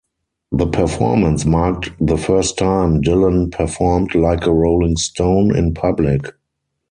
The performance marked the first time Dylan performed "Like a Rolling Stone" in public.